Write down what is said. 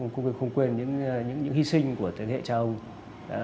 cũng không quên những hy sinh của thế hệ châu âu